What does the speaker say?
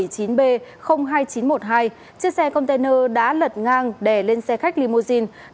chiếc xe container đã lật ngang đè lên xe khách limousine